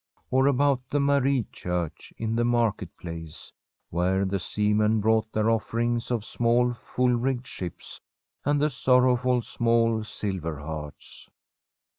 Or about the Marie Church in the Market Place, where the seamen brought their offerings of small, full rigged ships, and the sorrowful, small silver hearts.